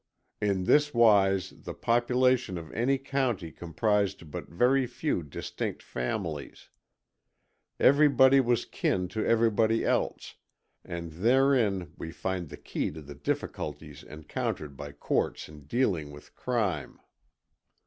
In this wise the population of any county comprised but very few distinct families. Everybody was of kin to everybody else, and therein we find the key to the difficulties encountered by courts in dealing with crime.